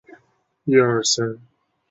涩荠为十字花科涩荠属下的一个种。